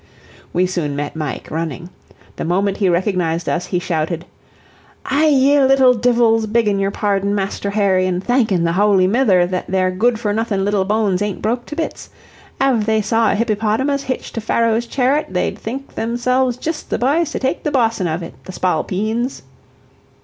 We soon met Mike, running. The moment he recognized us, he shouted: "Aye, ye little dhivils, beggin' yer pardon, Masther Harry, an' thankin' the Howly Mither that their good for nothin' little bones ain't broke to bits. Av they saw a hippypottymus hitched to Pharaoh's chariot, they'd think 'emselves jist the byes to take the bossin' av it, the spalpeens."